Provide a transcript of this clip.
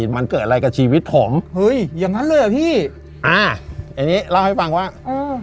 มันเกิดอะไรกับชีวิตผมเฮ้ยอย่างนั้นเลยเหรอพี่อ่าอันนี้เล่าให้ฟังว่าเออ